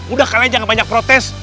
udah kalian jangan banyak protes